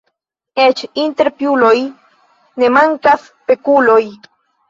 Eĉ inter piuloj ne mankas pekuloj.